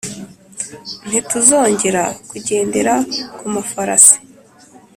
ntituzongera kugendera ku mafarasi,